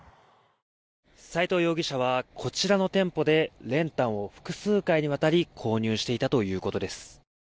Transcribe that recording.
齋藤容疑者はこちらの店舗で練炭を複数回にわたり購入していたということです。